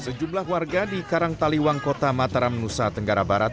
sejumlah warga di karang taliwang kota mataram nusa tenggara barat